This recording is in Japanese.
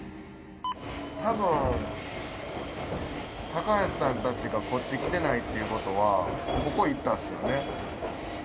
たぶん高橋さんたちがこっち来てないっていうことはここ行ったっすよね。